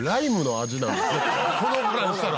この子らにしたら。